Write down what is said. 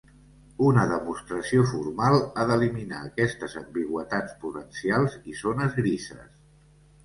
Una demostració formal ha d'eliminar aquestes ambigüitats potencials i zones grises.